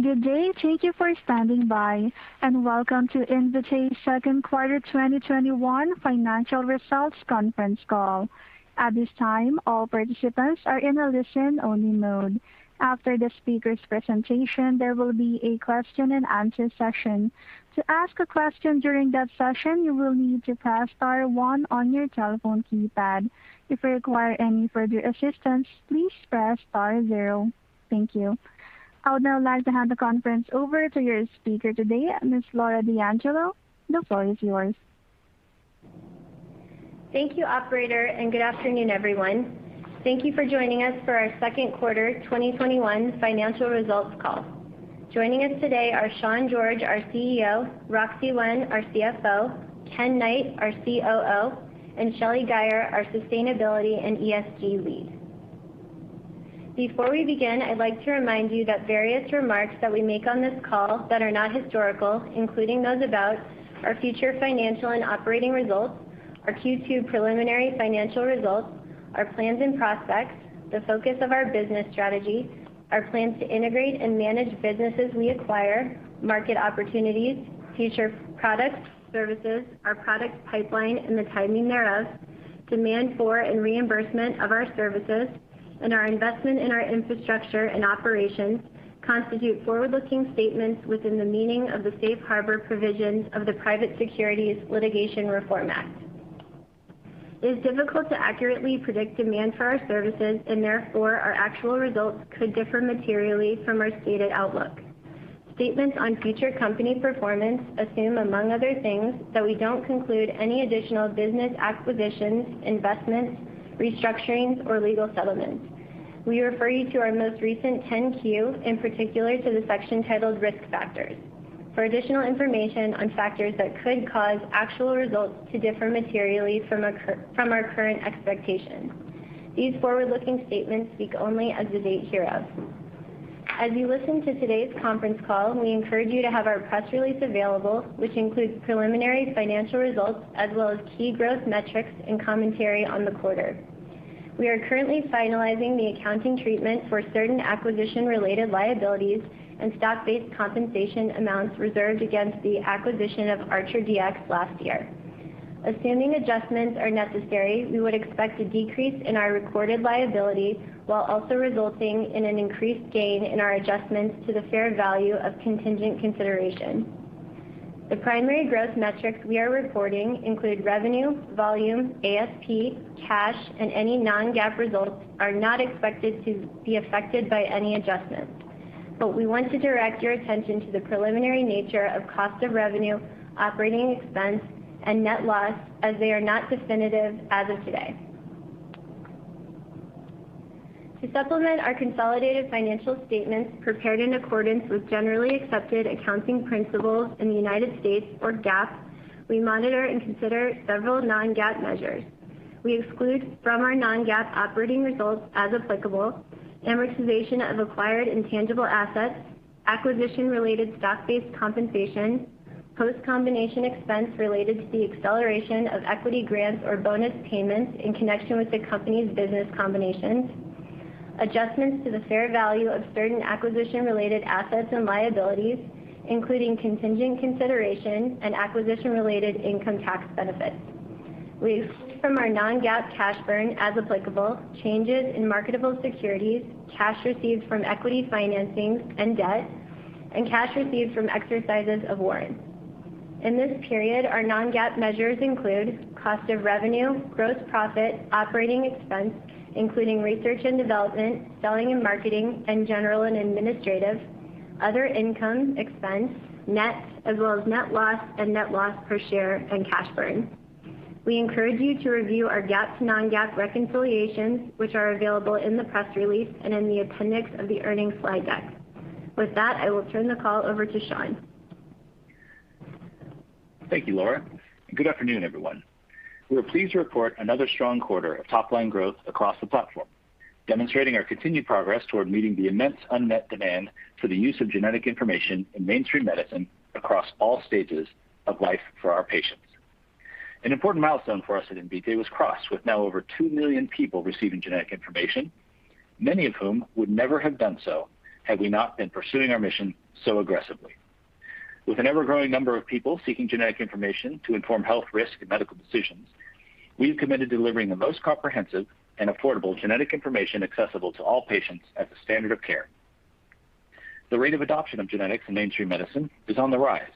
Good day. Thank you for standing by, and welcome to Invitae's second quarter 2021 financial results conference call. At this time, all participants are in a listen-only mode. After the speakers presentation there will be a question-and-answer session. To ask a question during the session, you will need to press star one on your telephone keypad. If you require any further assistance please press star zero. Thank you. I would now like to hand the conference over to your speaker today, Ms. Laura D'Angelo. The floor is yours. Thank you, operator, and good afternoon, everyone. Thank you for joining us for our second quarter 2021 financial results call. Joining us today are Sean George, our CEO, Roxi Wen, our CFO, Ken Knight, our COO, and Shelly Guyer, our sustainability and ESG lead. Before we begin, I'd like to remind you that various remarks that we make on this call that are not historical, including those about our future financial and operating results, our Q2 preliminary financial results, our plans and prospects, the focus of our business strategy, our plans to integrate and manage businesses we acquire, market opportunities, future products, services, our product pipeline and the timing thereof, demand for and reimbursement of our services, and our investment in our infrastructure and operations, constitute forward-looking statements within the meaning of the Safe Harbor provisions of the Private Securities Litigation Reform Act. It is difficult to accurately predict demand for our services and therefore our actual results could differ materially from our stated outlook. Statements on future company performance assume, among other things, that we don't conclude any additional business acquisitions, investments, restructurings, or legal settlements. We refer you to our most recent 10-Q, in particular to the section titled Risk Factors, for additional information on factors that could cause actual results to differ materially from our current expectations. These forward-looking statements speak only as of date hereof. As you listen to today's conference call, we encourage you to have our press release available, which includes preliminary financial results as well as key growth metrics and commentary on the quarter. We are currently finalizing the accounting treatment for certain acquisition-related liabilities and stock-based compensation amounts reserved against the acquisition of ArcherDX last year. Assuming adjustments are necessary, we would expect a decrease in our recorded liability while also resulting in an increased gain in our adjustments to the fair value of contingent consideration. The primary growth metrics we are reporting include revenue, volume, ASP, cash. Any non-GAAP results are not expected to be affected by any adjustments. We want to direct your attention to the preliminary nature of cost of revenue, operating expense, and net loss, as they are not definitive as of today. To supplement our consolidated financial statements prepared in accordance with Generally Accepted Accounting Principles in the U.S., or GAAP, we monitor and consider several non-GAAP measures. We exclude from our non-GAAP operating results as applicable: amortization of acquired intangible assets, acquisition-related stock-based compensation, post-combination expense related to the acceleration of equity grants or bonus payments in connection with the company's business combinations, adjustments to the fair value of certain acquisition-related assets and liabilities, including contingent consideration and acquisition-related income tax benefits. We exclude from our non-GAAP cash burn, as applicable: changes in marketable securities, cash received from equity financings and debt, and cash received from exercises of warrants. In this period, our non-GAAP measures include: cost of revenue, gross profit, operating expense, including research and development, selling and marketing, and general and administrative, other income, expense, net, as well as net loss and net loss per share, and cash burn. We encourage you to review our GAAP to non-GAAP reconciliations, which are available in the press release and in the appendix of the earnings slide deck. With that, I will turn the call over to Sean. Thank you, Laura. Good afternoon, everyone. We are pleased to report another strong quarter of top-line growth across the platform, demonstrating our continued progress toward meeting the immense unmet demand for the use of genetic information in mainstream medicine across all stages of life for our patients. An important milestone for us at Invitae was crossed, with now over 2 million people receiving genetic information, many of whom would never have done so had we not been pursuing our mission so aggressively. With an ever-growing number of people seeking genetic information to inform health risk and medical decisions, we've committed to delivering the most comprehensive and affordable genetic information accessible to all patients as a standard of care. The rate of adoption of genetics in mainstream medicine is on the rise,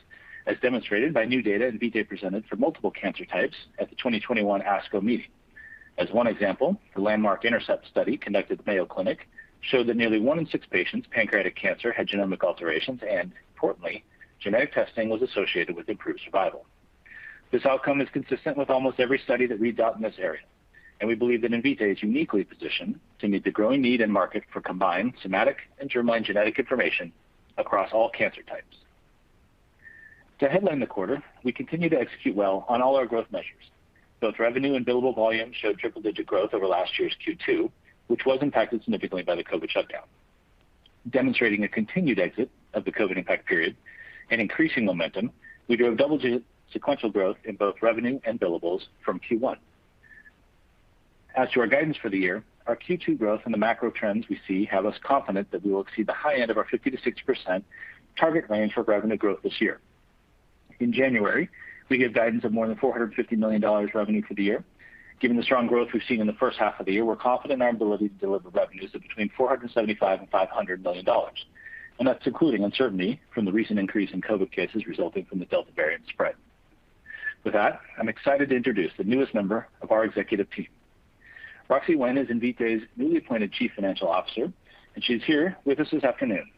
as demonstrated by new data Invitae presented for multiple cancer types at the 2021 ASCO meeting. As one example, the landmark INTERCEPT study conducted at the Mayo Clinic showed that nearly one in six patients with pancreatic cancer had genomic alterations and, importantly, genetic testing was associated with improved survival. This outcome is consistent with almost every study that we've done in this area. We believe that Invitae is uniquely positioned to meet the growing need in market for combined somatic and germline genetic information across all cancer types. To headline the quarter, we continue to execute well on all our growth measures. Both revenue and billable volume showed triple-digit growth over last year's Q2, which was impacted significantly by the COVID shutdown. Demonstrating a continued exit of the COVID impact period and increasing momentum, we drove double-digit sequential growth in both revenue and billables from Q1. As to our guidance for the year, our Q2 growth and the macro trends we see have us confident that we will exceed the high end of our 50%-60% target range for revenue growth this year. In January, we gave guidance of more than $450 million revenue for the year. Given the strong growth we've seen in the first half of the year, we're confident in our ability to deliver revenues of between $475 million and $500 million. That's including uncertainty from the recent increase in COVID cases resulting from the Delta variant spread. With that, I'm excited to introduce the newest member of our executive team. Roxi Wen is Invitae's newly appointed Chief Financial Officer, and she's here with us this afternoon.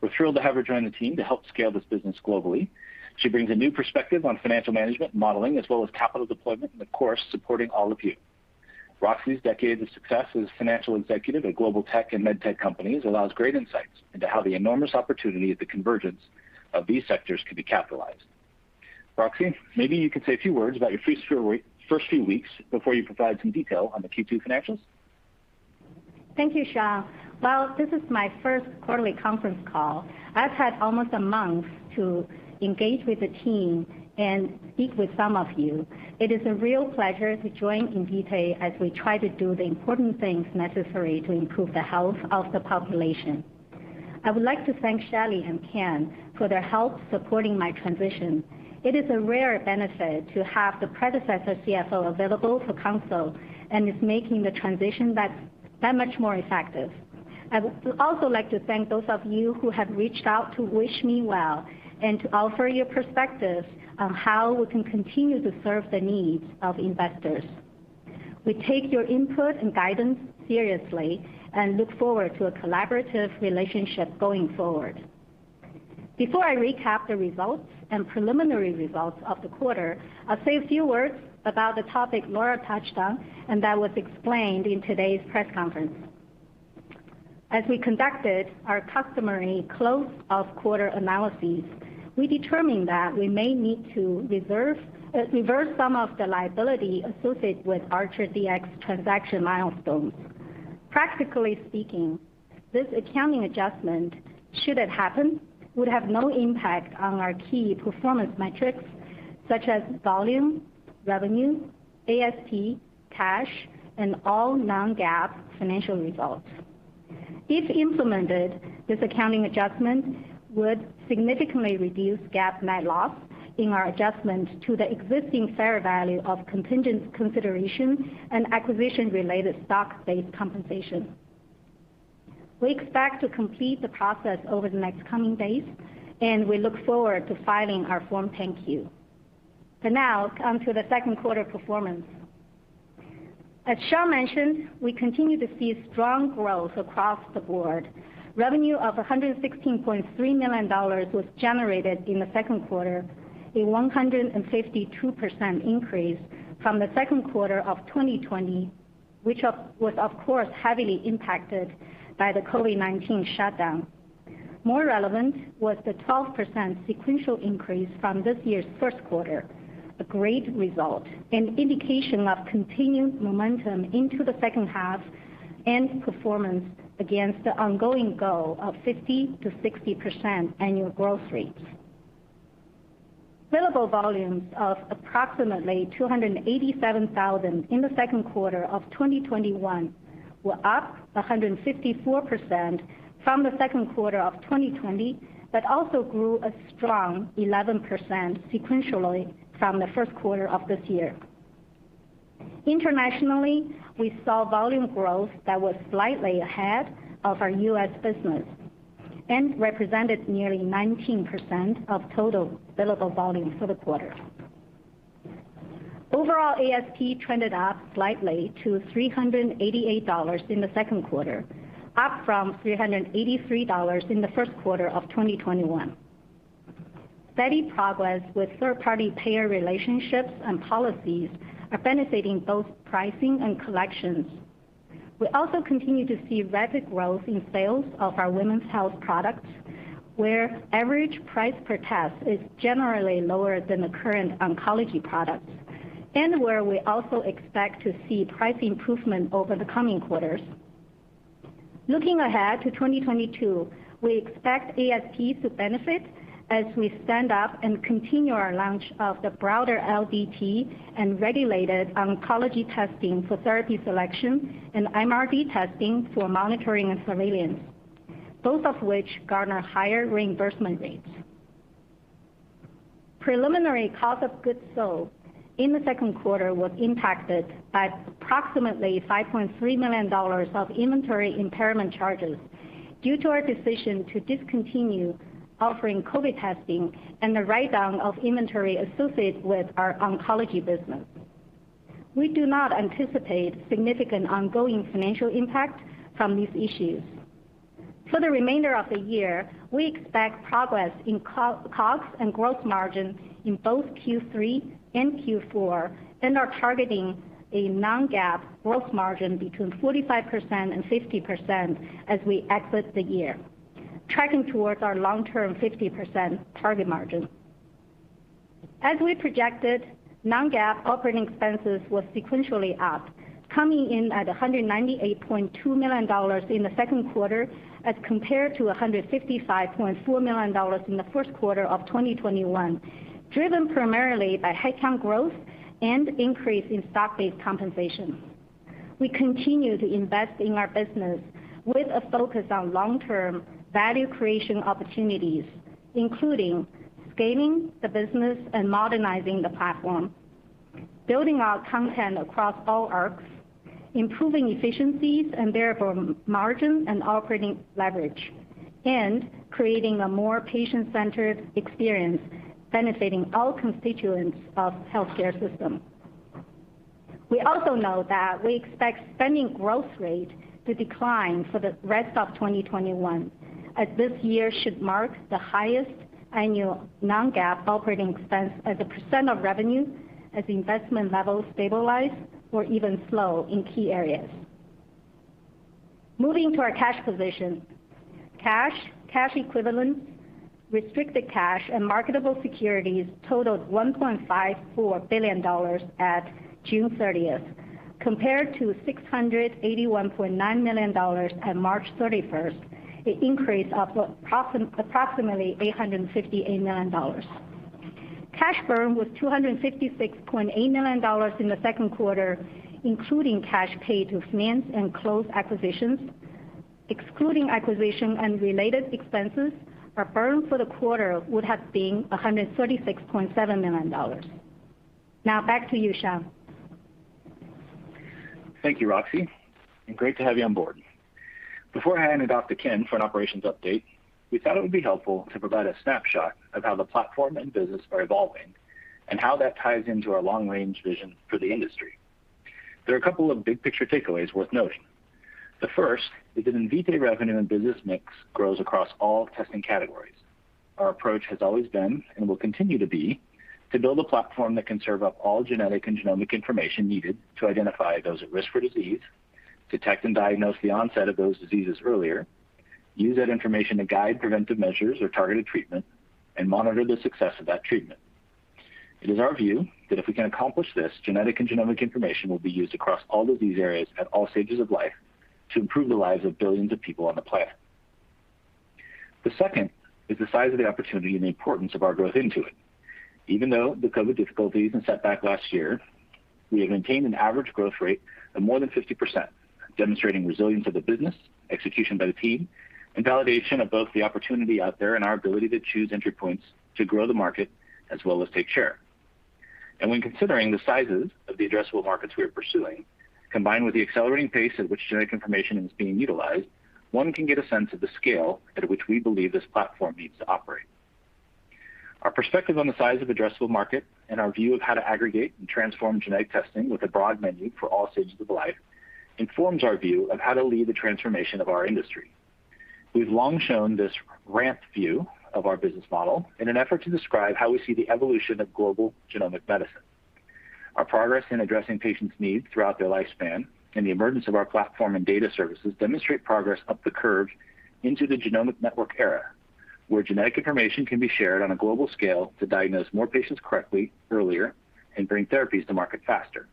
We're thrilled to have her join the team to help scale this business globally. She brings a new perspective on financial management modeling, as well as capital deployment and, of course, supporting all of you. Roxi's decades of success as financial executive at global tech and med tech companies allows great insights into how the enormous opportunity at the convergence of these sectors can be capitalized. Roxi, maybe you could say a few words about your first few weeks before you provide some detail on the Q2 financials. Thank you, Sean. While this is my first quarterly conference call, I've had almost a month to engage with the team and speak with some of you. It is a real pleasure to join Invitae as we try to do the important things necessary to improve the health of the population. I would like to thank Shelly and Ken for their help supporting my transition. It is a rare benefit to have the predecessor CFO available for counsel, and it's making the transition that much more effective. I would also like to thank those of you who have reached out to wish me well, and to offer your perspective on how we can continue to serve the needs of investors. We take your input and guidance seriously and look forward to a collaborative relationship going forward. Before I recap the results and preliminary results of the quarter, I'll say a few words about the topic Laura touched on and that was explained in today's press conference. As we conducted our customary close of quarter analyses, we determined that we may need to reverse some of the liability associated with ArcherDX transaction milestones. Practically speaking, this accounting adjustment, should it happen, would have no impact on our key performance metrics such as volume, revenue, ASP, cash, and all non-GAAP financial results. If implemented, this accounting adjustment would significantly reduce GAAP net loss in our adjustment to the existing fair value of contingent consideration and acquisition-related stock-based compensation. We expect to complete the process over the next coming days, and we look forward to filing our Form 10-Q. For now, on to the second quarter performance. As Sean mentioned, we continue to see strong growth across the board. Revenue of $116.3 million was generated in the second quarter, a 152% increase from the second quarter of 2020, which was of course, heavily impacted by the COVID-19 shutdown. More relevant was the 12% sequential increase from this year's first quarter, a great result, and indication of continued momentum into the second half and performance against the ongoing goal of 50%-60% annual growth rates. Billable volumes of approximately 287,000 in the second quarter of 2021 were up 154% from the second quarter of 2020, but also grew a strong 11% sequentially from the first quarter of this year. Internationally, we saw volume growth that was slightly ahead of our U.S. business and represented nearly 19% of total billable volumes for the quarter. Overall, ASP trended up slightly to $388 in the second quarter, up from $383 in the first quarter of 2021. Steady progress with third-party payer relationships and policies are benefiting both pricing and collections. We also continue to see rapid growth in sales of our women's health products, where average price per test is generally lower than the current oncology products, and where we also expect to see price improvement over the coming quarters. Looking ahead to 2022, we expect ASPs to benefit as we stand up and continue our launch of the broader LDT and regulated oncology testing for therapy selection and MRD testing for monitoring and surveillance, both of which garner higher reimbursement rates. Preliminary cost of goods sold in the second quarter was impacted by approximately $5.3 million of inventory impairment charges due to our decision to discontinue offering COVID testing and the write-down of inventory associated with our oncology business. We do not anticipate significant ongoing financial impact from these issues. For the remainder of the year, we expect progress in COGS and gross margin in both Q3 and Q4 and are targeting a non-GAAP gross margin between 45% and 50% as we exit the year, tracking towards our long-term 50% target margin. As we projected, non-GAAP operating expenses were sequentially up, coming in at $198.2 million in the second quarter as compared to $155.4 million in the first quarter of 2021, driven primarily by head count growth and increase in stock-based compensation. We continue to invest in our business with a focus on long-term value creation opportunities, including scaling the business and modernizing the platform, building our content across all arcs, improving efficiencies and therefore, margin and operating leverage, and creating a more patient-centered experience benefiting all constituents of healthcare system. We also know that we expect spending growth rate to decline for the rest of 2021, as this year should mark the highest annual non-GAAP operating expense as a percent of revenue, as investment levels stabilize or even slow in key areas. Moving to our cash position. Cash, cash equivalents, restricted cash, and marketable securities totaled $1.54 billion at June 30th, compared to $681.9 million at March 31st, an increase of approximately $858 million. Cash burn was $256.8 million in the second quarter, including cash paid to finance and close acquisitions. Excluding acquisition and related expenses, our burn for the quarter would have been $136.7 million. Now back to you, Sean. Thank you, Roxi, and great to have you on board. Before I hand it off to Ken for an operations update, we thought it would be helpful to provide a snapshot of how the platform and business are evolving, and how that ties into our long-range vision for the industry. There are a couple of big-picture takeaways worth noting. The first is that Invitae revenue and business mix grows across all testing categories. Our approach has always been, and will continue to be, to build a platform that can serve up all genetic and genomic information needed to identify those at risk for disease, detect and diagnose the onset of those diseases earlier, use that information to guide preventive measures or targeted treatment, and monitor the success of that treatment. It is our view that if we can accomplish this, genetic and genomic information will be used across all of these areas at all stages of life to improve the lives of billions of people on the planet. The second is the size of the opportunity and the importance of our growth into it. Even though the COVID difficulties and setback last year, we have maintained an average growth rate of more than 50%, demonstrating resilience of the business, execution by the team, and validation of both the opportunity out there and our ability to choose entry points to grow the market as well as take share. When considering the sizes of the addressable markets we are pursuing, combined with the accelerating pace at which genetic information is being utilized, one can get a sense of the scale at which we believe this platform needs to operate. Our perspective on the size of addressable market and our view of how to aggregate and transform genetic testing with a broad menu for all stages of life informs our view of how to lead the transformation of our industry. We've long shown this ramp view of our business model in an effort to describe how we see the evolution of global genomic medicine. Our progress in addressing patients' needs throughout their lifespan and the emergence of our platform and data services demonstrate progress up the curve into the genomic network era, where genetic information can be shared on a global scale to diagnose more patients correctly, earlier, and bring therapies to market faster.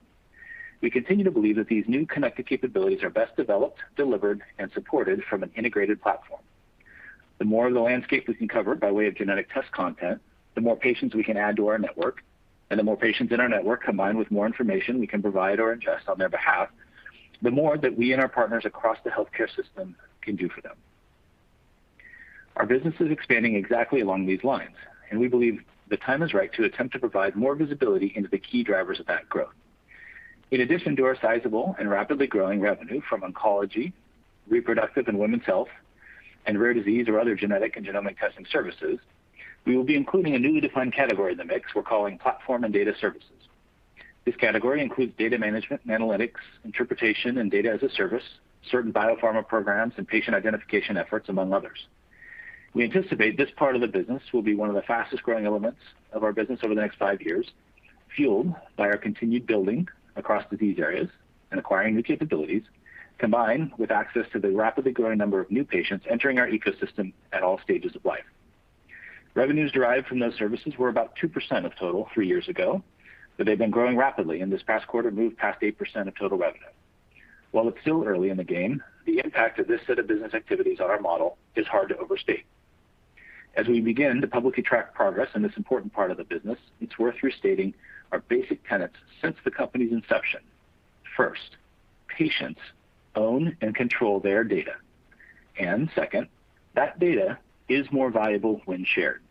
We continue to believe that these new connected capabilities are best developed, delivered, and supported from an integrated platform. The more of the landscape we can cover by way of genetic test content, the more patients we can add to our network, and the more patients in our network, combined with more information we can provide or ingest on their behalf, the more that we and our partners across the healthcare system can do for them. Our business is expanding exactly along these lines, and we believe the time is right to attempt to provide more visibility into the key drivers of that growth. In addition to our sizable and rapidly growing revenue from oncology, reproductive and women's health, and rare disease or other genetic and genomic testing services, we will be including a newly defined category in the mix we're calling platform and data services. This category includes data management and analytics, interpretation and data as a service, certain biopharma programs, and patient identification efforts, among others. We anticipate this part of the business will be one of the fastest-growing elements of our business over the next five years, fueled by our continued building across the disease areas and acquiring new capabilities, combined with access to the rapidly growing number of new patients entering our ecosystem at all stages of life. Revenues derived from those services were about 2% of total three years ago, but they've been growing rapidly, and this past quarter moved past 8% of total revenue. While it's still early in the game, the impact of this set of business activities on our model is hard to overstate. As we begin to publicly track progress in this important part of the business, it's worth restating our basic tenets since the company's inception. First, patients own and control their data. Second, that data is more valuable when shared.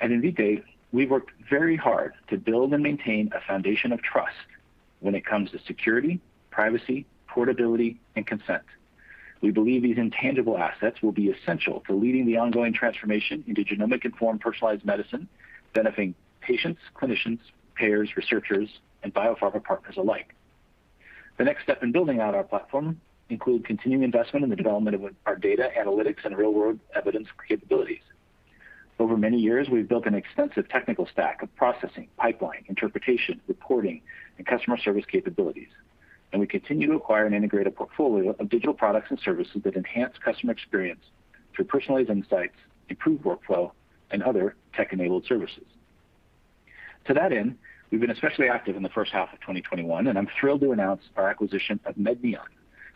At Invitae, we've worked very hard to build and maintain a foundation of trust when it comes to security, privacy, portability, and consent. We believe these intangible assets will be essential to leading the ongoing transformation into genomic-informed personalized medicine, benefiting patients, clinicians, payers, researchers, and biopharma partners alike. The next step in building out our platform include continuing investment in the development of our data analytics and real-world evidence capabilities. Over many years, we've built an extensive technical stack of processing, pipeline, interpretation, reporting, and customer service capabilities, and we continue to acquire and integrate a portfolio of digital products and services that enhance customer experience through personalized insights, improved workflow, and other tech-enabled services. To that end, we've been especially active in the first half of 2021. I'm thrilled to announce our acquisition of Medneon,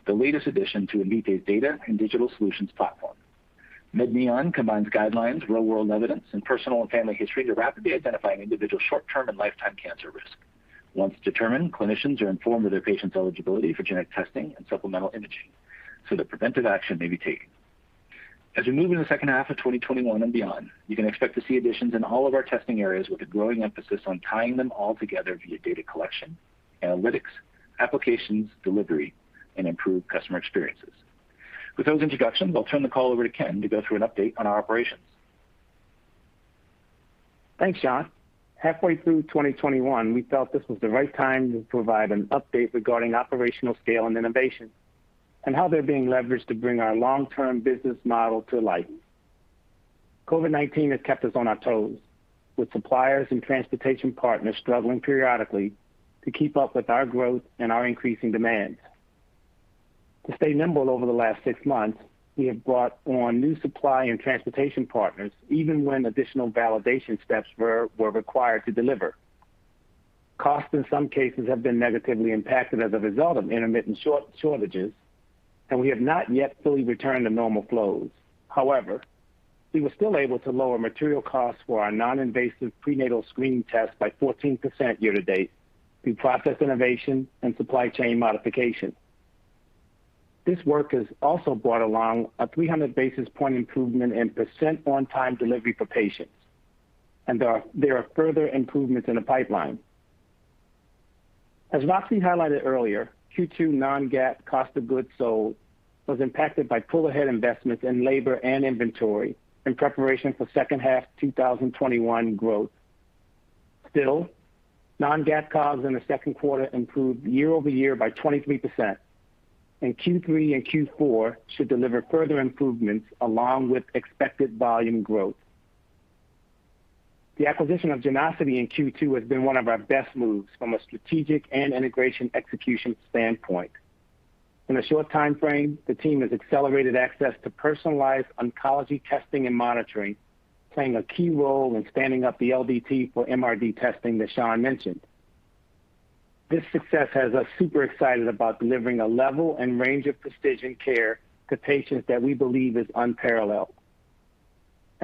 the latest addition to Invitae's data and digital solutions platform. Medneon combines guidelines, real-world evidence, and personal and family history to rapidly identify an individual's short-term and lifetime cancer risk. Once determined, clinicians are informed of their patient's eligibility for genetic testing and supplemental imaging so that preventive action may be taken. As we move in the second half of 2021 and beyond, you can expect to see additions in all of our testing areas with a growing emphasis on tying them all together via data collection, analytics, applications, delivery, and improved customer experiences. With those introductions, I'll turn the call over to Ken to go through an update on our operations. Thanks, Sean. Halfway through 2021, we felt this was the right time to provide an update regarding operational scale and innovation and how they're being leveraged to bring our long-term business model to life. COVID-19 has kept us on our toes, with suppliers and transportation partners struggling periodically to keep up with our growth and our increasing demands. To stay nimble over the last six months, we have brought on new supply and transportation partners, even when additional validation steps were required to deliver. Costs in some cases have been negatively impacted as a result of intermittent shortages, and we have not yet fully returned to normal flows. However, we were still able to lower material costs for our non-invasive prenatal screening test by 14% year-to-date through process innovation and supply chain modification. This work has also brought along a 300-basis-point improvement in percent on-time delivery for patients, and there are further improvements in the pipeline. As Roxi highlighted earlier, Q2 non-GAAP cost of goods sold was impacted by pull-ahead investments in labor and inventory in preparation for second half 2021 growth. Still, non-GAAP COGS in the second quarter improved year-over-year by 23%, and Q3 and Q4 should deliver further improvements along with expected volume growth. The acquisition of Genosity in Q2 has been one of our best moves from a strategic and integration execution standpoint. In a short timeframe, the team has accelerated access to personalized oncology testing and monitoring, playing a key role in standing up the LDT for MRD testing that Sean mentioned. This success has us super excited about delivering a level and range of precision care to patients that we believe is unparalleled.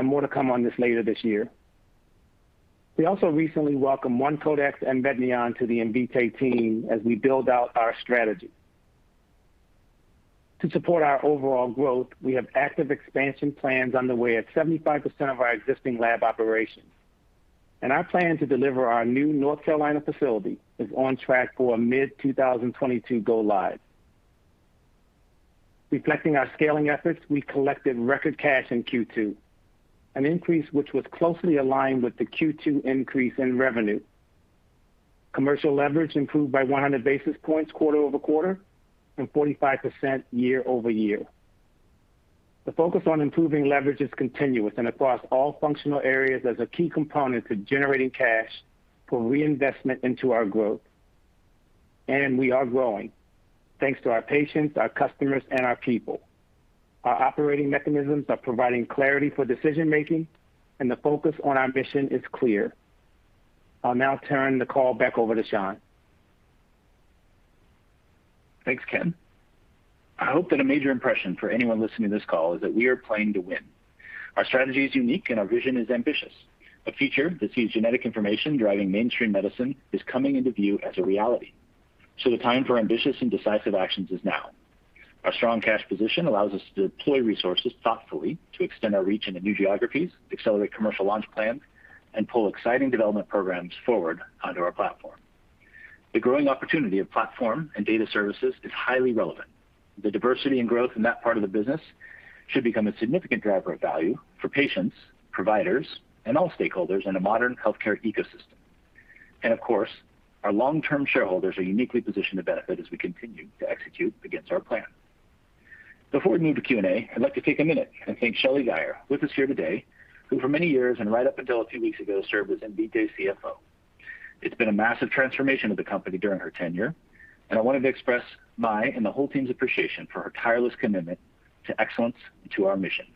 More to come on this later this year. We also recently welcomed One Codex and Medneon to the Invitae team as we build out our strategy. To support our overall growth, we have active expansion plans underway at 75% of our existing lab operations, and our plan to deliver our new North Carolina facility is on track for a mid-2022 go live. Reflecting our scaling efforts, we collected record cash in Q2, an increase which was closely aligned with the Q2 increase in revenue. Commercial leverage improved by 100 basis points quarter-over-quarter and 45% year-over-year. The focus on improving leverage is continuous and across all functional areas as a key component to generating cash for reinvestment into our growth. We are growing, thanks to our patients, our customers, and our people. Our operating mechanisms are providing clarity for decision-making, and the focus on our mission is clear. I'll now turn the call back over to Sean. Thanks, Ken. I hope that a major impression for anyone listening to this call is that we are playing to win. Our strategy is unique, and our vision is ambitious. A future that sees genetic information driving mainstream medicine is coming into view as a reality, so the time for ambitious and decisive actions is now. Our strong cash position allows us to deploy resources thoughtfully to extend our reach into new geographies, accelerate commercial launch plans, and pull exciting development programs forward onto our platform. The growing opportunity of platform and data services is highly relevant. The diversity and growth in that part of the business should become a significant driver of value for patients, providers, and all stakeholders in a modern healthcare ecosystem. Of course, our long-term shareholders are uniquely positioned to benefit as we continue to execute against our plan. Before we move to Q&A, I'd like to take a minute and thank Shelly Guyer, with us here today, who for many years and right up until a few weeks ago, served as Invitae CFO. It's been a massive transformation of the company during her tenure, and I wanted to express my and the whole team's appreciation for her tireless commitment to excellence and to our mission.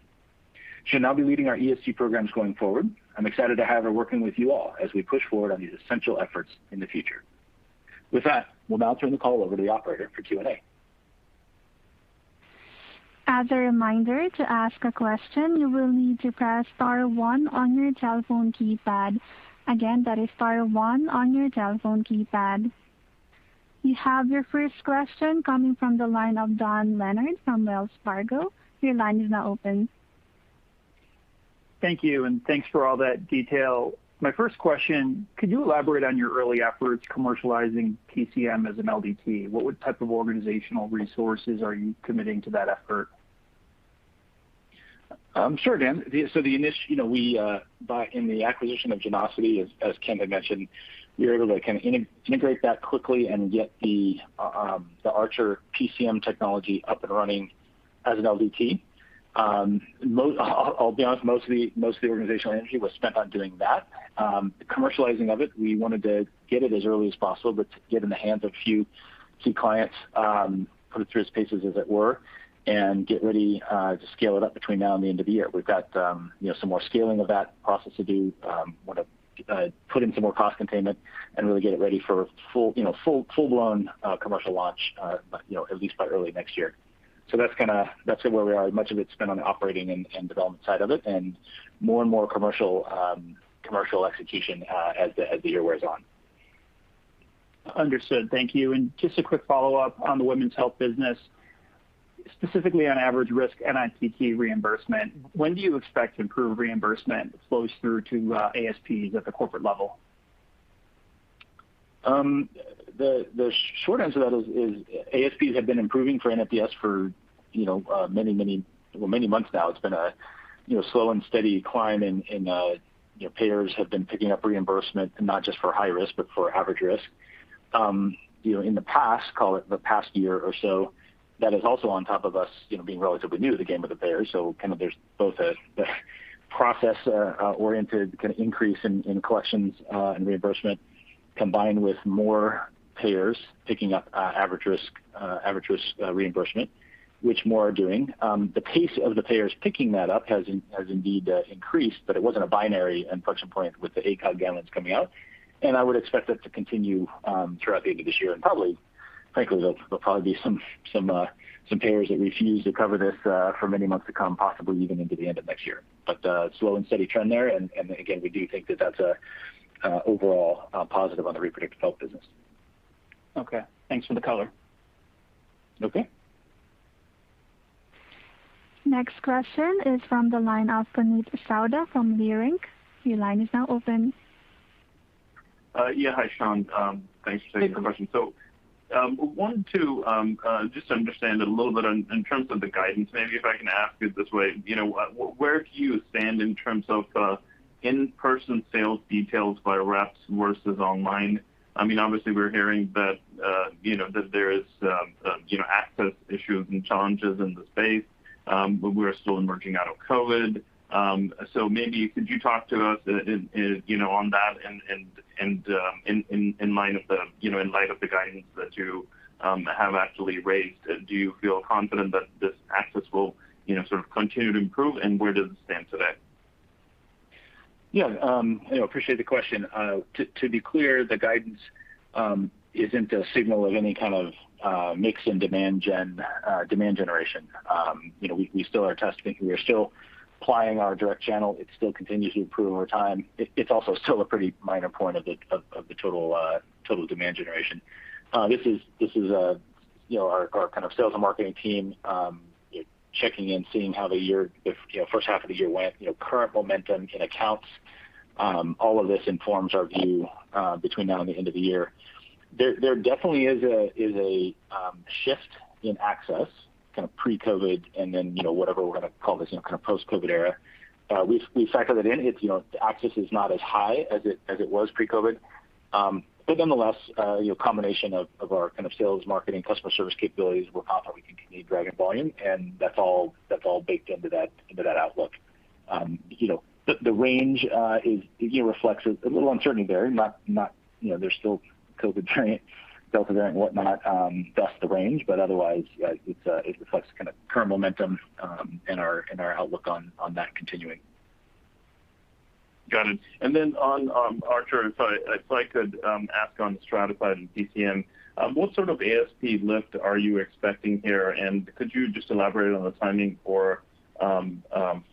She'll now be leading our ESG programs going forward. I'm excited to have her working with you all as we push forward on these essential efforts in the future. With that, we'll now turn the call over to the operator for Q&A. As a reminder, to ask a question, you will need to press star one on your telephone keypad. That is star one on your telephone keypad. You have your first question coming from the line of Dan Leonard from Wells Fargo. Your line is now open. Thank you, and thanks for all that detail. My first question: could you elaborate on your early efforts commercializing PCM as an LDT? What type of organizational resources are you committing to that effort? Sure, Dan. In the acquisition of Genosity, as Ken had mentioned, we were able to integrate that quickly and get the Archer PCM technology up and running as an LDT. I'll be honest, most of the organizational energy was spent on doing that. The commercializing of it, we wanted to get it as early as possible, but to get it in the hands of a few key clients, put it through its paces, as it were, and get ready to scale it up between now and the end of the year. We've got some more scaling of that process to do, want to put in some more cost containment, and really get it ready for full-blown commercial launch at least by early next year. That's it, where we are. Much of it's been on the operating and development side of it, and more and more commercial execution as the year wears on. Understood. Thank you. Just a quick follow-up on the women's health business, specifically on average risk NIPT reimbursement, when do you expect improved reimbursement to flow through to ASPs at the corporate level? The short answer to that is ASPs have been improving for NIPS for many months now. It's been a slow and steady climb, and payers have been picking up reimbursement, not just for high risk, but for average risk. In the past, call it the past year or so, that is also on top of us being relatively new to the game with the payers. There's both a process-oriented increase in collections and reimbursement combined with more payers picking up average-risk reimbursement, which more are doing. The pace of the payers picking that up has indeed increased, but it wasn't a binary inflection point with the ACOG guidelines coming out, and I would expect that to continue throughout the end of this year. Frankly, there'll probably be some payers that refuse to cover this for many months to come, possibly even into the end of next year. A slow and steady trend there, and again, we do think that that's overall positive on the reproductive health business. Okay. Thanks for the color. Okay. Next question is from the line of Puneet Souda from Leerink. Your line is now open. Yeah. Hi, Sean. Thanks for taking the question. I wanted to just understand a little bit in terms of the guidance, maybe if I can ask it this way, where do you stand in terms of in-person sales details by reps versus online? Obviously, we're hearing that there is access issues and challenges in the space. We're still emerging out of COVID. Maybe could you talk to us on that and in light of the guidance that you have actually raised, do you feel confident that this access will sort of continue to improve, and where does it stand today? Yeah. I appreciate the question. To be clear, the guidance isn't a signal of any kind of mix in demand generation. We still are testing. We are still applying our direct channel. It still continues to improve over time. It's also still a pretty minor point of the total demand generation. This is our sales and marketing team checking in, seeing how the first half of the year went, current momentum in accounts. All of this informs our view between now and the end of the year. There definitely is a shift in access, kind of pre-COVID and then whatever we're going to call this post-COVID era. We factor that in. The access is not as high as it was pre-COVID. Nonetheless, a combination of our kind of sales, marketing, customer service capabilities will confidently continue to drive volume, and that's all baked into that outlook. The range reflects a little uncertainty there. There's still COVID variant, Delta variant, whatnot, thus the range. Otherwise, it reflects kind of current momentum and our outlook on that continuing. Got it. Then on Archer, if I could ask on the stratified and PCM, what sort of ASP lift are you expecting here? Could you just elaborate on the timing for PCM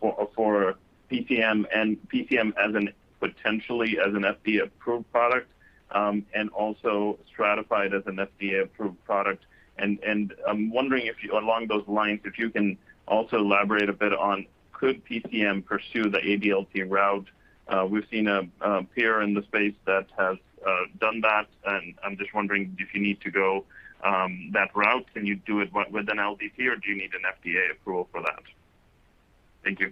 and PCM potentially as an FDA-approved product and also stratified as an FDA-approved product? I'm wondering if along those lines, if you can also elaborate a bit on could PCM pursue the ADLT route? We've seen a peer in the space that has done that, and I'm just wondering if you need to go that route. Can you do it with an LDT or do you need an FDA approval for that? Thank you.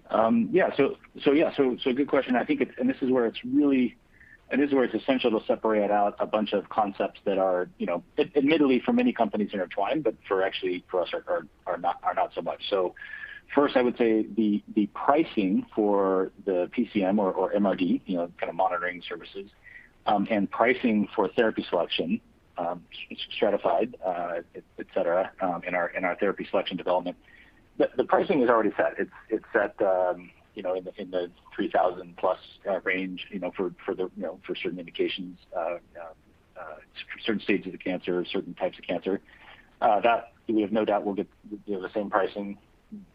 Yeah. Good question. This is where it's essential to separate out a bunch of concepts that are admittedly for many companies intertwined, but actually for us are not so much. First, I would say the pricing for the PCM or MRD, kind of monitoring services, and pricing for therapy selection, stratified et cetera, in our therapy selection development, the pricing is already set. It's set in the $3,000+ range for certain indications, certain stages of cancer, certain types of cancer. That we have no doubt we'll get the same pricing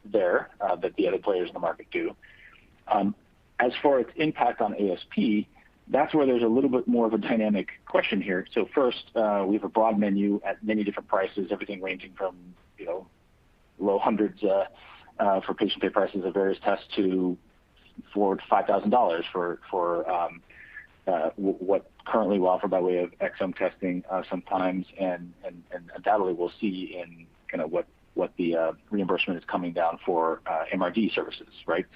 there that the other players in the market do. As for its impact on ASP, that's where there's a little bit more of a dynamic question here. First, we have a broad menu at many different prices, everything ranging from low hundreds for patient pay prices of various tests to $4,000-$5,000 for what currently we offer by way of exome testing sometimes, and undoubtedly we'll see in kind of what the reimbursement is coming down for MRD services. Right?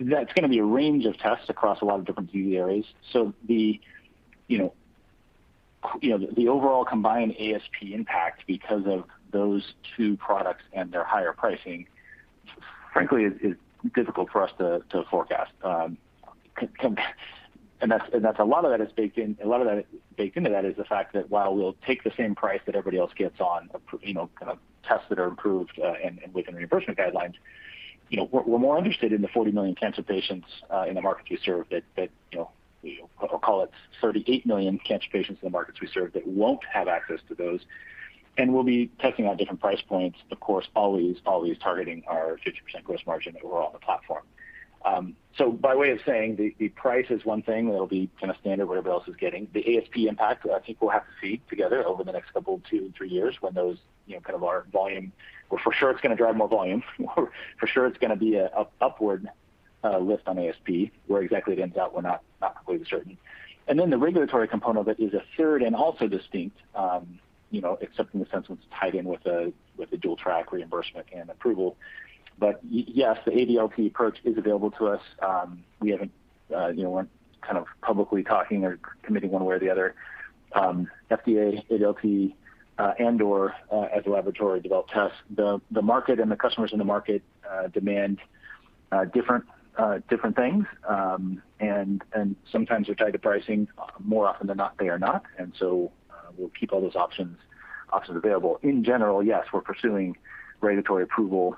That's going to be a range of tests across a lot of different areas. The overall combined ASP impact because of those two products and their higher pricing, frankly, is difficult for us to forecast. A lot of that is baked into that is the fact that while we'll take the same price that everybody else gets on tests that are approved and within reimbursement guidelines. We're more interested in the 40 million cancer patients in the market we serve than the, I'll call it 38 million cancer patients in the markets we serve, that won't have access to those. We'll be testing on different price points, of course, always targeting our 50% gross margin overall on the platform. By way of saying, the price is one thing, that'll be standard whatever else is getting. The ASP impact, I think we'll have to see together over the next couple, two, three years, when those are volume. For sure it's going to drive more volume, for sure it's going to be an upward lift on ASP. Where exactly it ends out, we're not completely certain. The regulatory component of it is a third and also distinct, except in the sense when it's tied in with the dual track reimbursement and approval. Yes, the ADLT approach is available to us. We aren't publicly talking or committing one way or the other. FDA ADLT, and/or as a laboratory-developed test, the market and the customers in the market demand different things, and sometimes they're tied to pricing. More often than not, they are not. We'll keep all those options available. In general, yes, we're pursuing regulatory approval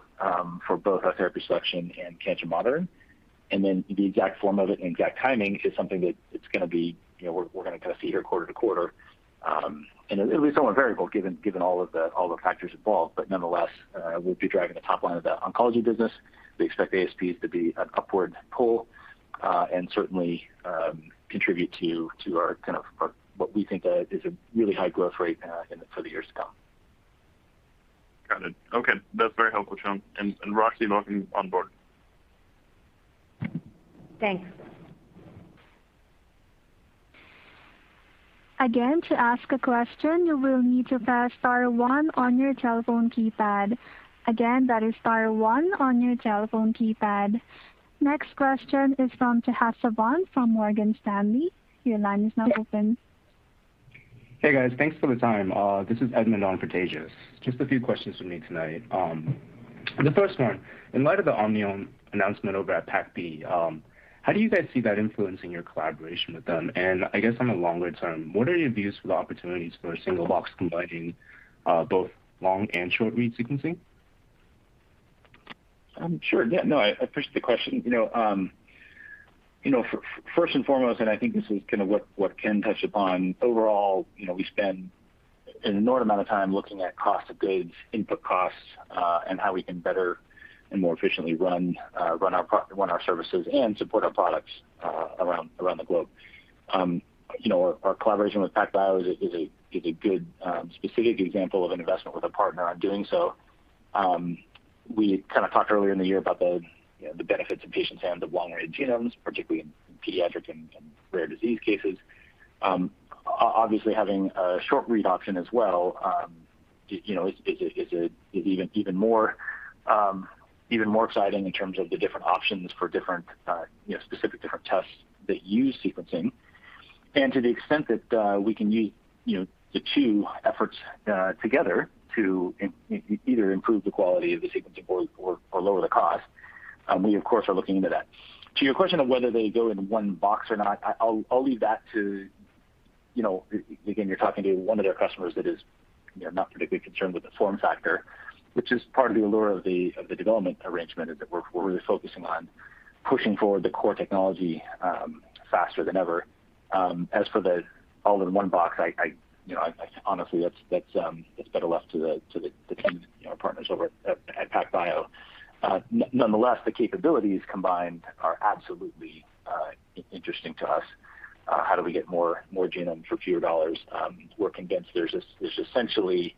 for both our therapy selection and cancer monitoring. The exact form of it and exact timing is something that we're going to see here quarter to quarter. It'll be somewhat variable given all the factors involved. Nonetheless, we'll be driving the top line of that oncology business. We expect ASPs to be an upward pull, and certainly contribute to what we think is a really high growth rate for the years to come. Got it. Okay, that's very helpful, Sean. Roxi, welcome on board. Thanks. Again, to ask a question, you will need to press star one on your telephone keypad. Again, that is star one on your telephone keypad. Next question is from Tejas Savant from Morgan Stanley. Your line is now open. Hey, guys. Thanks for the time. This is Edmond on for Tejas. Just a few questions from me tonight. The first one, in light of the Omniome announcement over at PacBio, how do you guys see that influencing your collaboration with them? I guess on a longer term, what are your views for the opportunities for a single box combining both long and short-read sequencing? Sure. Yeah, no, I appreciate the question. First and foremost, I think this is what Ken touched upon, overall, we spend an inordinate amount of time looking at cost of goods, input costs, and how we can better and more efficiently run our services and support our products around the globe. Our collaboration with PacBio is a good specific example of an investment with a partner on doing so. We talked earlier in the year about the benefits in patients who have long-read genomes, particularly in pediatric and rare disease cases. Obviously, having a short-read option as well is even more exciting in terms of the different options for specific different tests that use sequencing. To the extent that we can use the two efforts together to either improve the quality of the sequencing or lower the cost, we of course, are looking into that. To your question of whether they go in one box or not, I'll leave that to- again, you're talking to one of their customers that is not particularly concerned with the form factor, which is part of the allure of the development arrangement, is that we're really focusing on pushing forward the core technology faster than ever. As for the all-in-one box, honestly, that's better left to the team, our partners over at PacBio. The capabilities combined are absolutely interesting to us. How do we get more genomes for fewer dollars? We're convinced there's essentially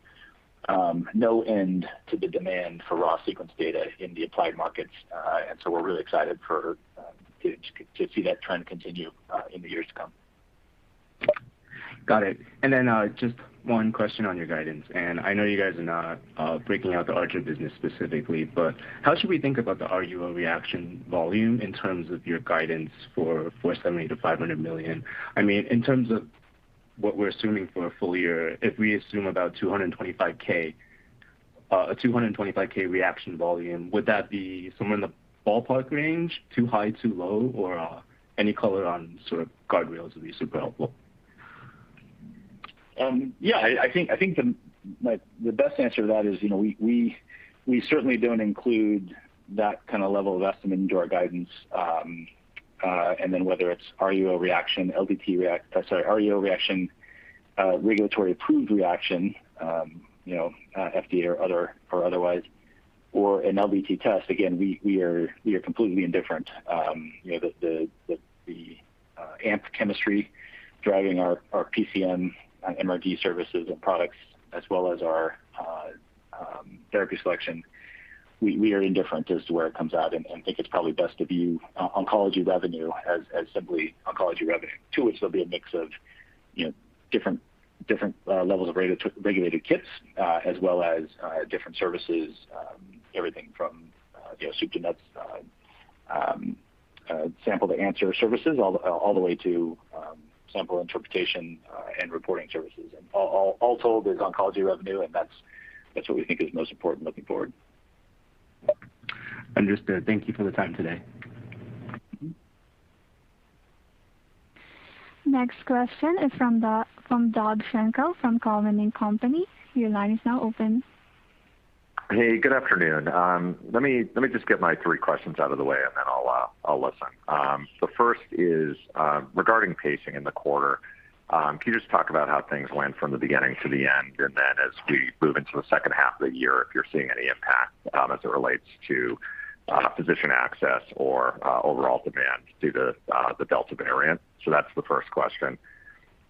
no end to the demand for raw sequence data in the applied markets. We're really excited to see that trend continue in the years to come. Got it. Just one question on your guidance, and I know you guys are not breaking out the Archer business specifically, but how should we think about the RUO reaction volume in terms of your guidance for $470 million-$500 million? In terms of what we're assuming for a full year, if we assume about 225,000 reaction volume, would that be somewhere in the ballpark range? Too high, too low, or any color on guardrails would be super helpful? Yeah, I think the best answer to that is, we certainly don't include that kind of level of estimate into our guidance. Then whether it's RUO reaction, regulatory approved reaction, FDA or otherwise, or an LDT test, again, we are completely indifferent. The amp chemistry driving our PCM and MRD services and products as well as our therapy selection, we are indifferent as to where it comes out and think it's probably best to view oncology revenue as simply oncology revenue. To which there'll be a mix of different levels of regulated kits, as well as different services, everything from soup to nuts, sample to answer services, all the way to sample interpretation and reporting services. All told as oncology revenue, and that's what we think is most important looking forward. Understood. Thank you for the time today. Next question is from Doug Schenkel from Cowen and Company. Your line is now open. Hey, good afternoon. Let me just get my 3 questions out of the way, and then I'll listen. The first is regarding pacing in the quarter. Can you just talk about how things went from the beginning to the end, and then as we move into the second half of the year, if you're seeing any impact as it relates to physician access or overall demand due to the Delta variant? That's the first question.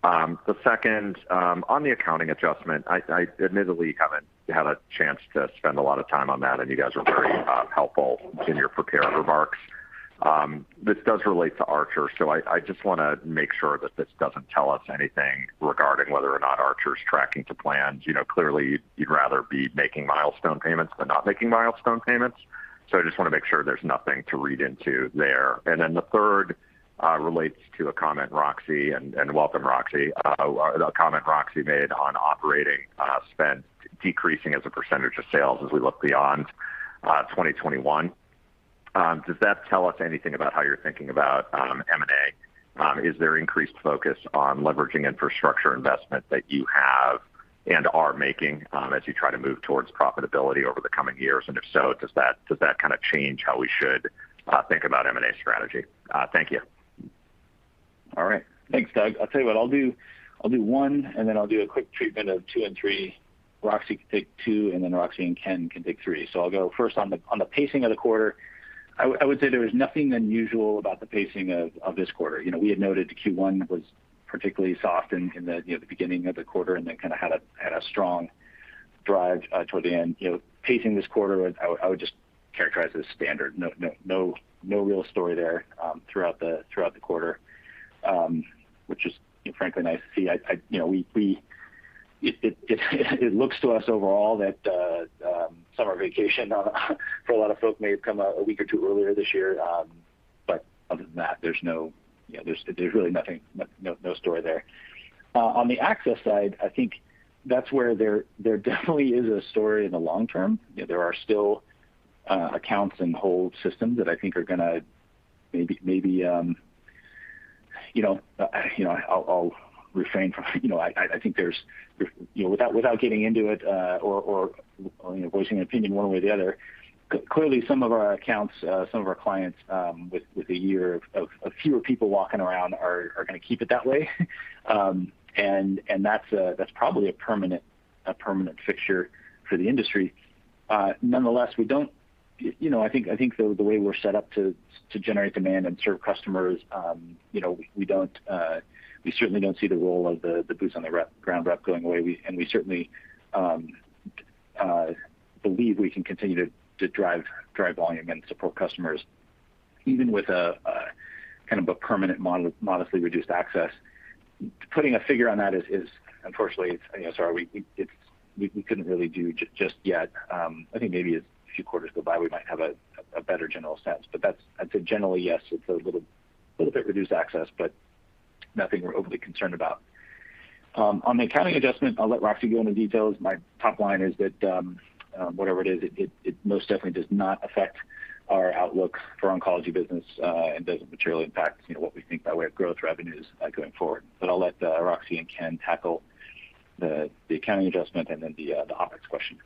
The second, on the accounting adjustment, I admittedly haven't had a chance to spend a lot of time on that, and you guys were very helpful in your prepared remarks. This does relate to Archer, so I just want to make sure that this doesn't tell us anything regarding whether or not Archer's tracking to plans. Clearly you'd rather be making milestone payments than not making milestone payments. I just want to make sure there's nothing to read into there. The third relates to a comment Roxi, and welcome, Roxi. A comment Roxi made on operating spend decreasing as a percentage of sales as we look beyond 2021. Does that tell us anything about how you're thinking about M&A? Is there increased focus on leveraging infrastructure investment that you have and are making as you try to move towards profitability over the coming years? If so, does that change how we should think about M&A strategy? Thank you. All right. Thanks, Doug. I'll tell you what, I'll do one, and then I'll do a quick treatment of two and three. Roxi can take two, and then Roxi and Ken can take three. I'll go first on the pacing of the quarter. I would say there was nothing unusual about the pacing of this quarter. We had noted that Q1 was particularly soft in the beginning of the quarter, and then had a strong drive toward the end. Pacing this quarter, I would just characterize it as standard. No real story there throughout the quarter, which is frankly nice to see. It looks to us overall that summer vacation for a lot of folk may have come a week or two earlier this year. Other than that, there's really nothing, no story there. On the access side, I think that's where there definitely is a story in the long term. There are still accounts and whole systems that I think are going to Without getting into it or voicing an opinion one way or the other. Clearly, some of our accounts, some of our clients with a year of fewer people walking around are going to keep it that way. That's probably a permanent fixture for the industry. Nonetheless, I think the way we're set up to generate demand and serve customers, we certainly don't see the role of the boots on the ground rep going away. We certainly believe we can continue to drive volume and support customers even with a permanent modestly reduced access. Putting a figure on that is unfortunately, sorry, we couldn't really do just yet. I think maybe a few quarters go by, we might have a better general sense. That's, I'd say generally, yes, it's a little bit reduced access, but nothing we're overly concerned about. On the accounting adjustment, I'll let Roxi go into details. My top line is that whatever it is, it most definitely does not affect our outlook for oncology business and doesn't materially impact what we think by way of growth revenues going forward. I'll let Roxi and Ken tackle the accounting adjustment and then the OpEx question.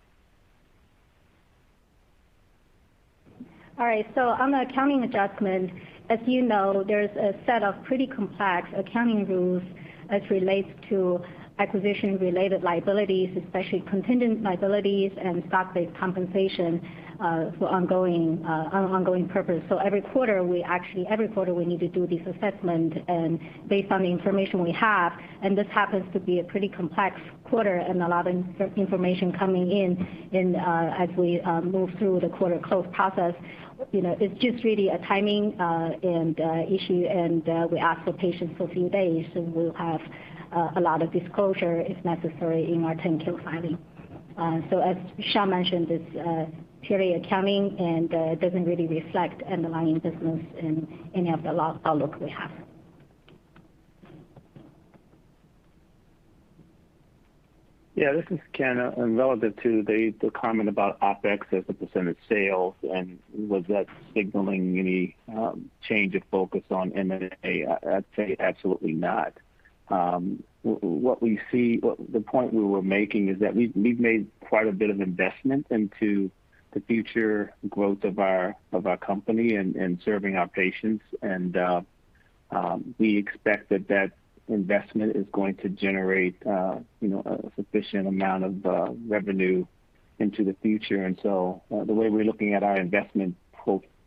All right. On the accounting adjustment, as you know, there's a set of pretty complex accounting rules as relates to acquisition-related liabilities, especially contingent liabilities and stock-based compensation for ongoing purpose. Every quarter, we need to do this assessment and based on the information we have, and this happens to be a pretty complex quarter and a lot of information coming in as we move through the quarter close process. It's just really a timing and issue, and we ask for patience for a few days, and we'll have a lot of disclosure if necessary in our 10-Q filing. As Sean mentioned, it's purely accounting, and it doesn't really reflect underlying business in any of the outlook we have. Yeah, this is Ken. Relative to the comment about OpEx as a percentage sale, and was that signaling any change of focus on M&A? I'd say absolutely not. The point we were making is that we've made quite a bit of investment into the future growth of our company and serving our patients. We expect that that investment is going to generate a sufficient amount of revenue into the future. The way we're looking at our investment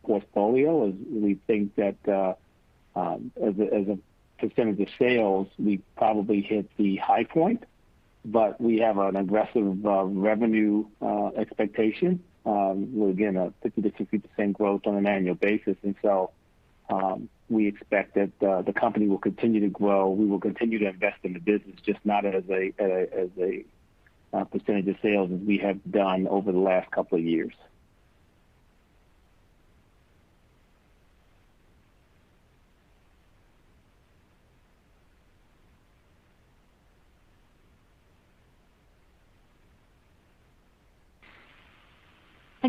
portfolio is we think that as a percentage of sales, we probably hit the high point, but we have an aggressive revenue expectation with, again, a 50%-60% growth on an annual basis. We expect that the company will continue to grow. We will continue to invest in the business, just not as a percentage of sales as we have done over the last couple of years.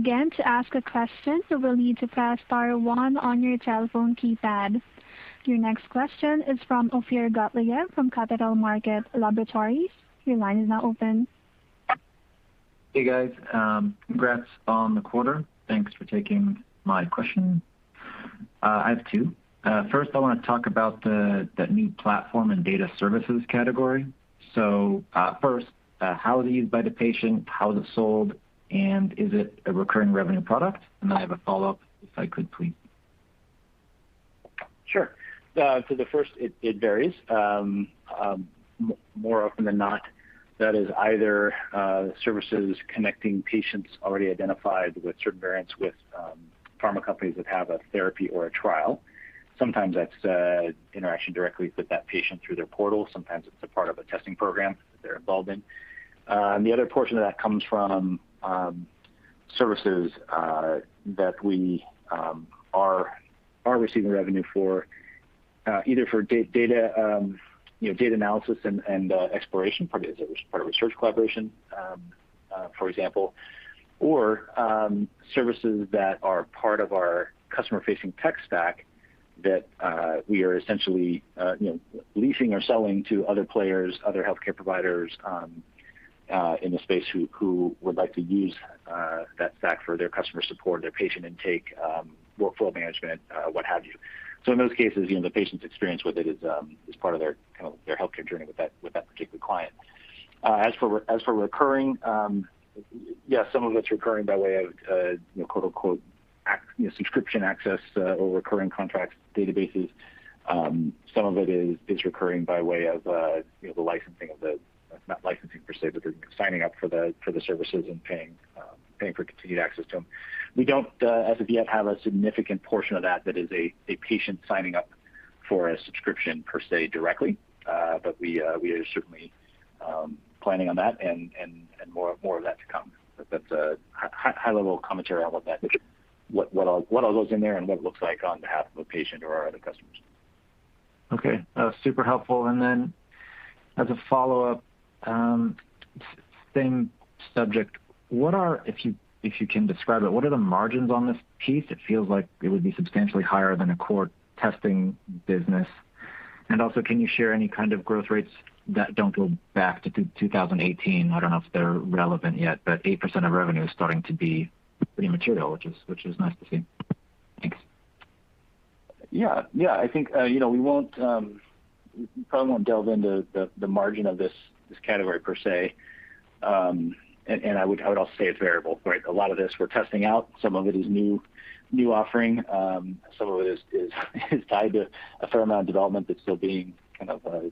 Again, to ask a question, you will need to press star one on your telephone keypad. Your next question is from Ophir Gottlieb from Capital Market Laboratories. Your line is now open. Hey, guys. Congrats on the quarter. Thanks for taking my question. I have two. First, I want to talk about the new platform and data services category. First, how is it used by the patient, how is it sold, and is it a recurring revenue product? Then I have a follow-up, if I could, please. Sure. To the first, it varies. More often than not, that is either services connecting patients already identified with certain variants with pharma companies that have a therapy or a trial. Sometimes that's interaction directly with that patient through their portal. Sometimes it's a part of a testing program that they're involved in. The other portion of that comes from services that we are receiving revenue for, either for data analysis and exploration, part of research collaboration, for example, or services that are part of our customer-facing tech stack that we are essentially leasing or selling to other players, other healthcare providers in the space who would like to use that stack for their customer support, their patient intake, workflow management, what have you. In those cases, the patient's experience with it is part of their healthcare journey with that particular client. As for recurring, yes, some of it's recurring by way of "subscription access" or recurring contracts, databases. Some of it is recurring by way of the licensing not licensing per se, but they're signing up for the services and paying for continued access to them. We don't, as of yet, have a significant portion of that that is a patient signing up for a subscription per se directly. We are certainly planning on that and more of that to come. That's a high-level commentary on what all goes in there and what it looks like on behalf of a patient or our other customers. Okay. Super helpful. Then as a follow-up, same subject, if you can describe it, what are the margins on this piece? It feels like it would be substantially higher than a core testing business. Also, can you share any kind of growth rates that don't go back to 2018? I don't know if they're relevant yet, 8% of revenue is starting to be pretty material, which is nice to see. Thanks. Yeah. I think I probably won't delve into the margin of this category per se. I would also say it's variable, right? A lot of this we're testing out. Some of it is new offering. Some of it is tied to a fair amount of development that's still being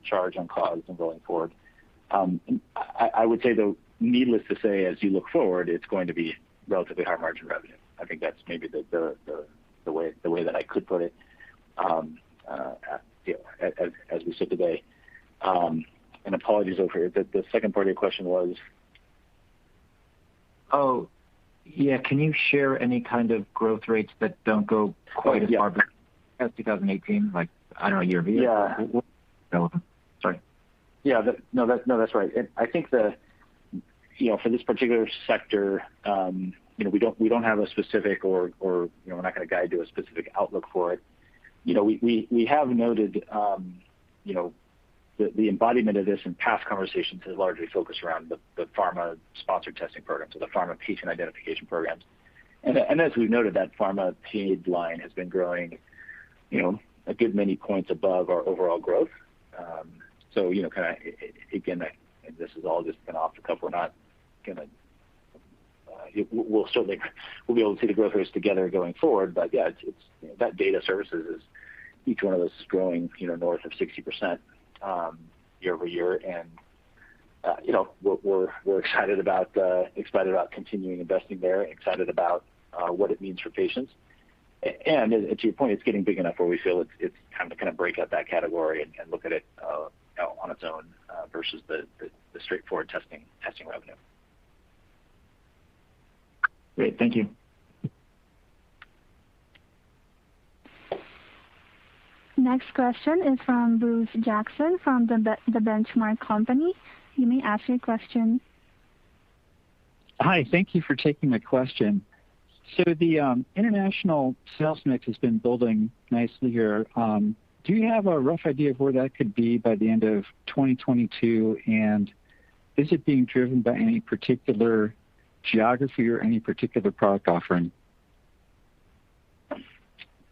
charged on cost and going forward. I would say, though, needless to say, as you look forward, it's going to be relatively high margin revenue. I think that's maybe the way that I could put it as we sit today. Apologies, Ophir, the second part of your question was? Oh, yeah. Can you share any kind of growth rates that don't go quite as far- Oh, yeah. back as 2018? Like, I don't know, year-over-year? Yeah. Relevant. Sorry. Yeah. No, that's right. I think for this particular sector, we don't have a specific or we're not going to guide you a specific outlook for it. We have noted the embodiment of this in past conversations has largely focused around the pharma-sponsored testing programs or the pharma patient identification programs. As we've noted, that pharma paid line has been growing a good many points above our overall growth. Again, this is all just been off the cuff, we'll be able to see the growth rates together going forward. Yeah, that data services, each one of those is growing north of 60% year-over-year. We're excited about continuing investing there, excited about what it means for patients. To your point, it's getting big enough where we feel it's time to kind of break out that category and look at it on its own versus the straightforward testing revenue. Great. Thank you. Next question is from Bruce Jackson from The Benchmark Company. You may ask your question. Hi. Thank you for taking my question. The international sales mix has been building nicely here. Do you have a rough idea of where that could be by the end of 2022? Is it being driven by any particular geography or any particular product offering?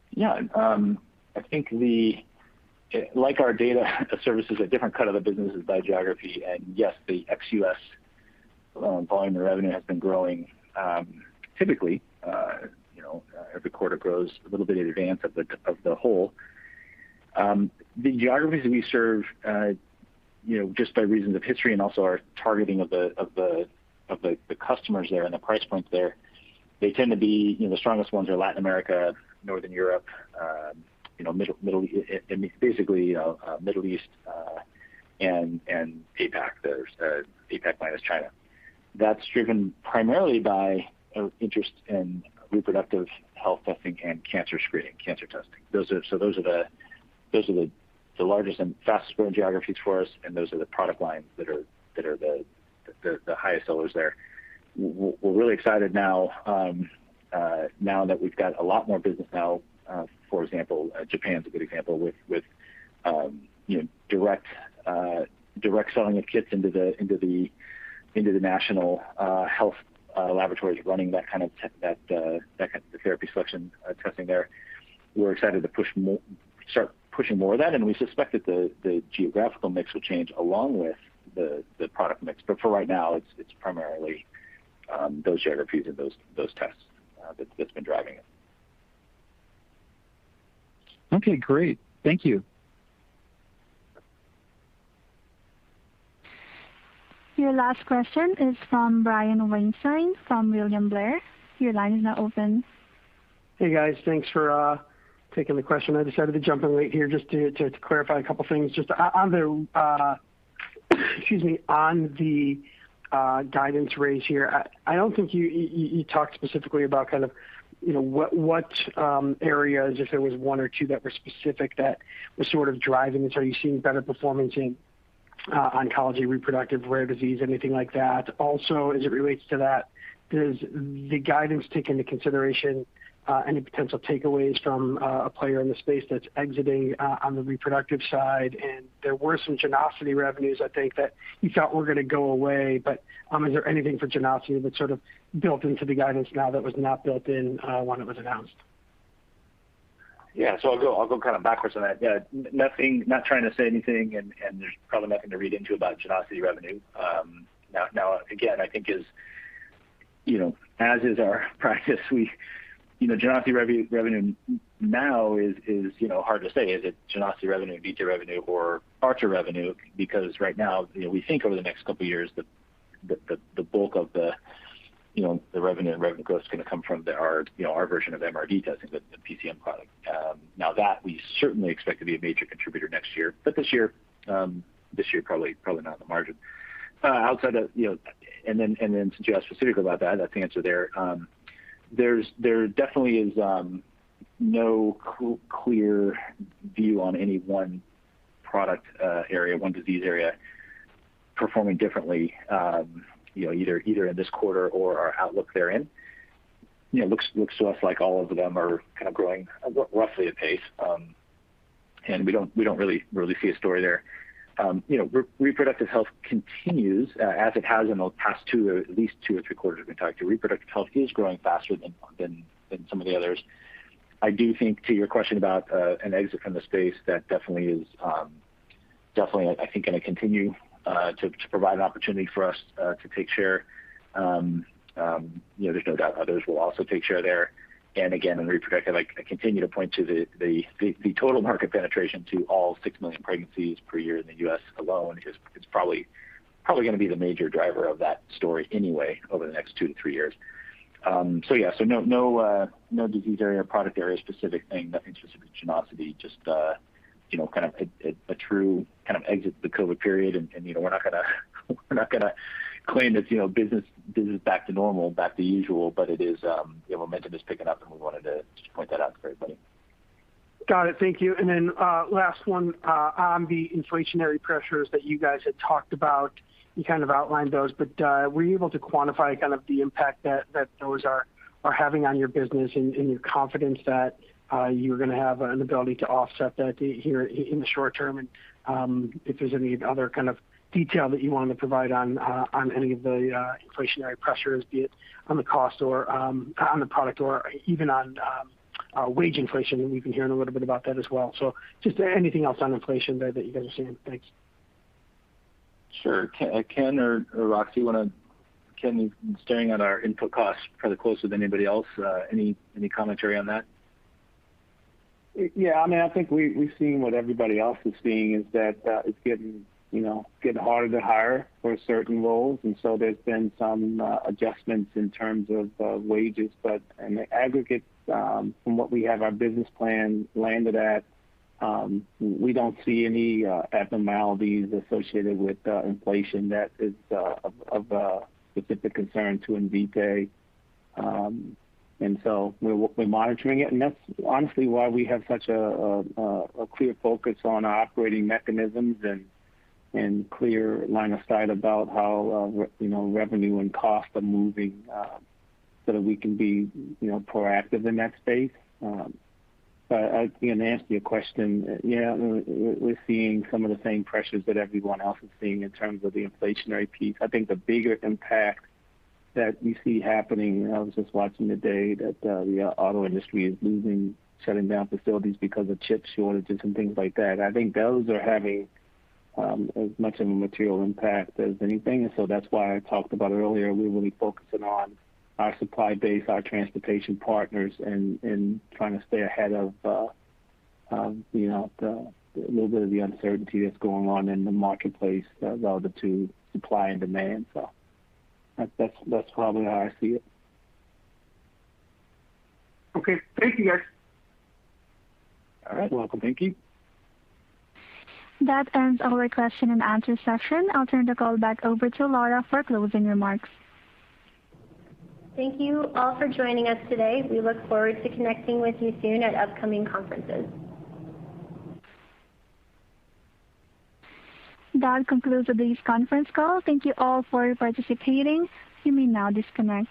Yeah. I think like our data services, a different cut of the business is by geography. Yes, the ex-U.S. volume of revenue has been growing. Typically, every quarter grows a little bit in advance of the whole. The geographies we serve, just by reasons of history and also our targeting of the customers there and the price points there, they tend to be, the strongest ones are Latin America, Northern Europe, basically, Middle East, and APAC, the APAC minus China. That's driven primarily by interest in reproductive health testing and cancer screening, cancer testing. Those are the largest and fastest growing geographies for us, and those are the product lines that are the highest sellers there. We're really excited now that we've got a lot more business now. For example, Japan's a good example with direct selling of kits into the national health laboratories running that kind of therapy selection testing there. We're excited to start pushing more of that, and we suspect that the geographical mix will change along with the product mix. But for right now, it's primarily those geographies and those tests that's been driving it. Okay, great. Thank you. Your last question is from Brian Weinstein from William Blair. Your line is now open. Hey guys, thanks for taking the question. I decided to jump in late here just to clarify a couple of things. Just on the guidance raise here, I don't think you talked specifically about what areas, if there was one or two that were specific that were sort of driving this. Are you seeing better performance in oncology, reproductive, rare disease, anything like that? Also, as it relates to that, does the guidance take into consideration any potential takeaways from a player in the space that's exiting on the reproductive side? There were some Genosity revenues, I think, that you thought were going to go away, but is there anything for Genosity that's sort of built into the guidance now that was not built in when it was announced? Yeah. I'll go backwards on that. Not trying to say anything, and there's probably nothing to read into about Genosity revenue. Again, I think as is our practice, Genosity revenue now is hard to say. Is it Genosity revenue, Invitae revenue or Archer revenue? Right now, we think over the next couple of years, the bulk of the revenue and revenue growth is going to come from our version of MRD testing, the PCM product. That we certainly expect to be a major contributor next year, but this year probably not in the margin. Since you asked specifically about that's the answer there. There definitely is no clear view on any one product area, one disease area performing differently either in this quarter or our outlook therein. Looks to us like all of them are kind of growing roughly at pace. We don't really see a story there. Reproductive health continues as it has in the past two, or at least two or three quarters we've talked to. Reproductive health is growing faster than some of the others. I do think to your question about an exit from the space, that definitely is going to continue to provide an opportunity for us to take share. There's no doubt others will also take share there. Again, in reproductive, I continue to point to the total market penetration to all 6 million pregnancies per year in the U.S. alone is probably going to be the major driver of that story anyway over the next two to three years. Yeah, no disease area, product area specific thing, nothing specific to Genosity, just kind of a true exit to the COVID period. We're not going to claim that business is back to normal, back to usual. The momentum is picking up. We wanted to just point that out to everybody. Got it. Thank you. Last one, on the inflationary pressures that you guys had talked about, you kind of outlined those, but were you able to quantify kind of the impact that those are having on your business and your confidence that you're going to have an ability to offset that here in the short term? If there's any other kind of detail that you wanted to provide on any of the inflationary pressures, be it on the cost or on the product or even on wage inflation. We've been hearing a little bit about that as well. Just anything else on inflation there that you guys are seeing. Thanks. Sure. Ken or Roxi, Ken, staring at our input costs probably closer than anybody else. Any commentary on that? Yeah, I think we're seeing what everybody else is seeing, is that it's getting harder to hire for certain roles. There's been some adjustments in terms of wages, but in the aggregate, from what we have our business plan landed at, we don't see any abnormalities associated with inflation that is of a specific concern to Invitae. We're monitoring it, and that's honestly why we have such a clear focus on our operating mechanisms and clear line of sight about how revenue and cost are moving, so that we can be proactive in that space. To answer your question, yeah, we're seeing some of the same pressures that everyone else is seeing in terms of the inflationary piece. I think the bigger impact that we see happening, I was just watching today that the auto industry is losing, shutting down facilities because of chip shortages and things like that. I think those are having as much of a material impact as anything. That's why I talked about it earlier. We're really focusing on our supply base, our transportation partners, and trying to stay ahead of the little bit of the uncertainty that's going on in the marketplace relative to supply and demand. That's probably how I see it. Okay. Thank you, guys. All right, welcome. Thank you. That ends our question and answer session. I'll turn the call back over to Laura for closing remarks. Thank you all for joining us today. We look forward to connecting with you soon at upcoming conferences. That concludes today's conference call. Thank you all for participating. You may now disconnect.